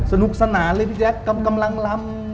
สนุกสนานเลยพี่แจ๊คกำลังลำ